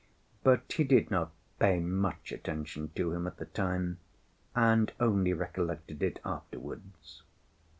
But he did not pay much attention to him at the time, and only recollected it afterwards.